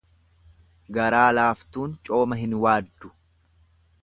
Garaa laaftuun cooma hin waaddu.